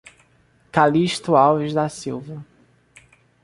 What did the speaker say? Calixto Alves da Silva